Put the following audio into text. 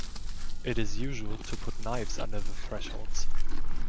It is usual to put knives under the thresholds.